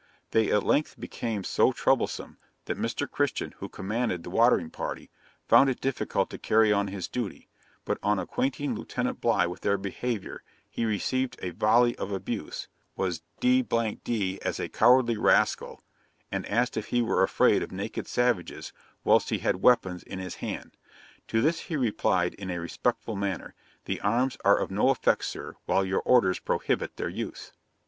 They at length became so troublesome, that Mr. Christian, who commanded the watering party, found it difficult to carry on his duty; but on acquainting Lieutenant Bligh with their behaviour, he received a volley of abuse, was d d as a cowardly rascal, and asked if he were afraid of naked savages whilst he had weapons in his hand? To this he replied in a respectful manner, "The arms are of no effect, Sir, while your orders prohibit their use."'